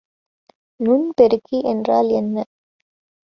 நுண்பெருக்கி என்றால் என்ன?